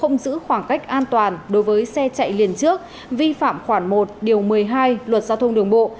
không giữ khoảng cách an toàn đối với xe chạy liền trước vi phạm khoảng một điều một mươi hai luật giao thông đường bộ